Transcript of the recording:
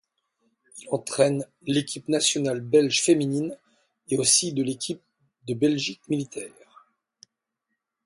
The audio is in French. Il entraîne l'équipe nationale belge féminine et aussi de l'équipe de Belgique militaire.